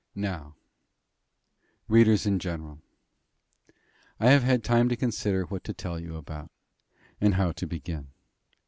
Now, readers in general, I have had time to consider what to tell you about, and how to begin.